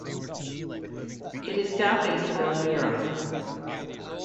It is southeast of Elmira.